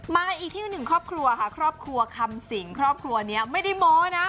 มาอีกที่หนึ่งครอบครัวค่ะครอบครัวคำสิงครอบครัวนี้ไม่ได้โม้นะ